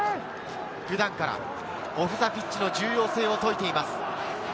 普段からオフ・ザ・ピッチの重要性を説いています。